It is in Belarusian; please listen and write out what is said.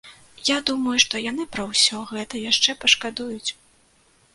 Я думаю, што яны пра ўсё гэта яшчэ пашкадуюць.